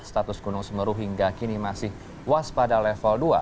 status gunung semeru hingga kini masih waspada level dua